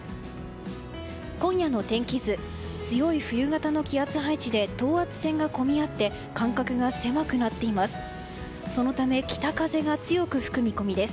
今夜の天気図強い冬型の気圧配置で等圧線が込み合って間隔が狭くなっています。